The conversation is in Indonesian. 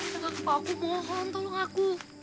jakasupa aku mohon tolong aku